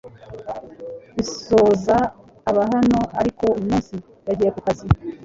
Bizoza aba hano ariko uyu munsi yagiye kukazi .